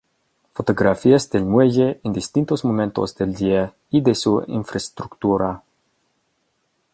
Fotografías del muelle en distintos momentos del día y de su infraestructura.